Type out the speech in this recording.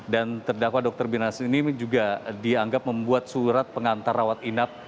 dan terdakwa dr bimanesh ini juga dianggap membuat surat pengantar rawat inap